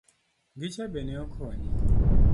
Gicha be ne okonyi?